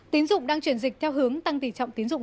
tín dụng đang chuyển dịch theo hướng tăng tỷ trọng tín dụng